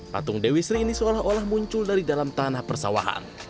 patung dewi sri ini seolah olah muncul dari dalam tanah persawahan